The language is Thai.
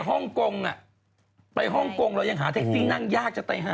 ห้องโกงน่ะไปห้องโกงเรายังหาแท็กซี่นั่งยากจักรไทยห้า